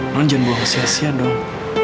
nong jangan buang sia sia nong